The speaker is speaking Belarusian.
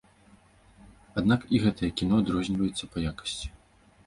Аднак і гэтае кіно адрозніваецца па якасці.